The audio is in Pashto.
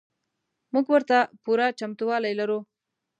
موږ ورته پوره چمتو والی لرو.